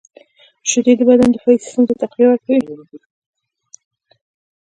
• شیدې د بدن دفاعي سیسټم ته تقویه ورکوي.